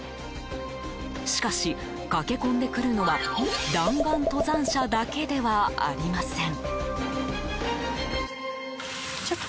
しかし、駆け込んでくるのは弾丸登山者だけではありません。